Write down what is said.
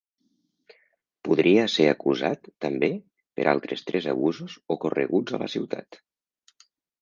Podria ser acusat, també, per altres tres abusos ocorreguts a la ciutat.